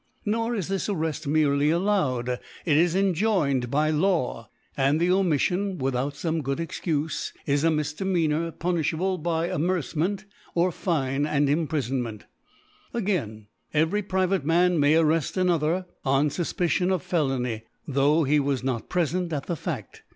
Nor is this Arreft merely allowed ; it is enjoined by Law, and the Omiflion, without fome good Excufe is a Mifdemeanor punifli able by Amercement or Fine and Imprifon jn.entj. Again every private Man may arreft another on Sufpicion of Felony, though he was not prefent at the Fa6t |t.